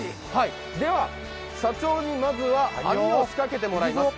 ではまずは網を仕掛けてもらいます。